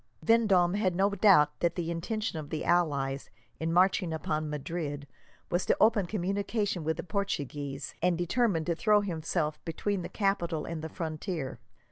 Vendome had no doubt that the intention of the allies, in marching upon Madrid, was to open communication with the Portuguese, and determined to throw himself between the capital and the frontier.